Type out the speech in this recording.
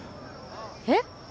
えっ？